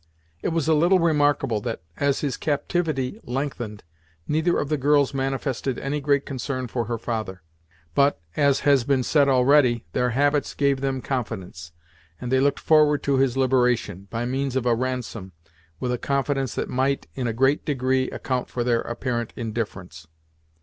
It was a little remarkable that, as his captivity lengthened, neither of the girls manifested any great concern for her father; but, as has been said already, their habits gave them confidence, and they looked forward to his liberation, by means of a ransom, with a confidence that might, in a great degree, account for their apparent indifference.